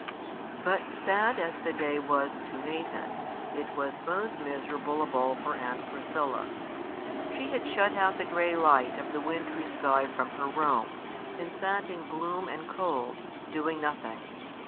But sad as the day was to Nathan, it was most miserable of all for Aunt Priscilla. She had shut out the grey light of the wintry sky from her room, and sat in gloom and cold, doing nothing.